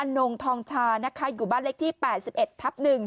นงทองชานะคะอยู่บ้านเล็กที่๘๑ทับ๑